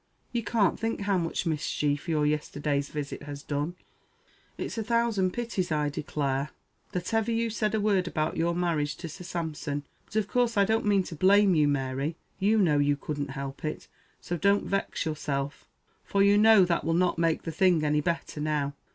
You can't think how much mischief your yesterday's visit has done. It's a thousand pities, I declare, that ever you said a word about your marriage to Sir Sampson. But of course I don't mean to blame you, Mary. You know you couldn't help it; so don't vex yourself, for you know that will not make the thing any better now.